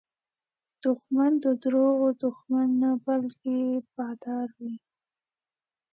دښمن د دروغو دښمن نه، بلکې بادار وي